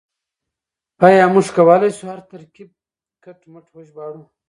آيا موږ کولای شو هر ترکيب کټ مټ وژباړو؟